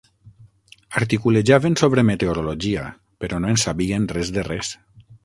Articulejaven sobre meteorologia, però no en sabien res de res.